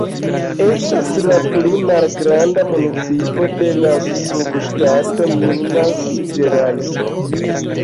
Estas la pli malgranda municipo de la subŝtato Minas-Ĝerajso.